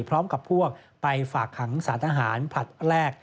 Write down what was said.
พร้อมกับพวกไปฝากขังสารทหารผลัดแรก